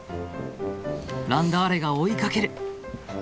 ランダーレが追いかける。